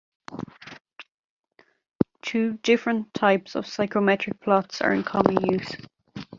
Two different types of psychometric plots are in common use.